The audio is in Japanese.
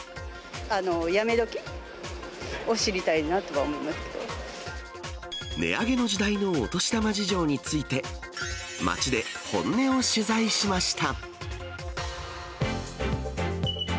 やめどきを知りたいなとは思値上げの時代のお年玉事情について、街で本音を取材しました。